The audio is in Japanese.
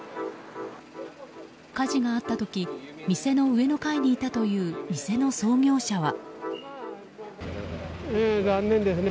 火事があった時店の上の階にいたという店の創業者は。